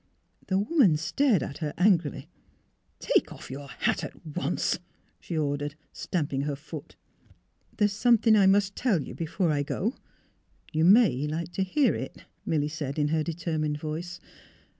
The woman stared at her angrily. " Take off your hat at once! " she ordered, stamping her foot. " There is something I must tell you, before I go. You may like to hear it," Milly said, in her determined voice.